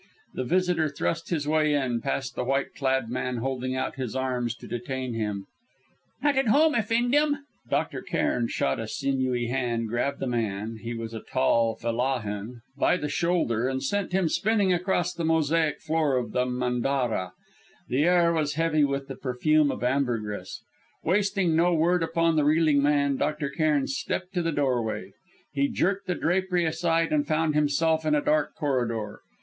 The visitor thrust his way in, past the white clad man holding out his arms to detain him. "Not at home, effendim " Dr. Cairn shot out a sinewy hand, grabbed the man he was a tall fellahîn by the shoulder, and sent him spinning across the mosaic floor of the mandarah. The air was heavy with the perfume of ambergris. Wasting no word upon the reeling man, Dr. Cairn stepped to the doorway. He jerked the drapery aside and found himself in a dark corridor.